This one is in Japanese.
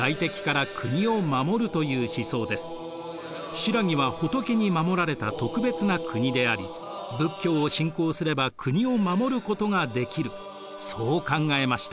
新羅は仏に守られた特別な国であり仏教を信仰すれば国を護ることができるそう考えました。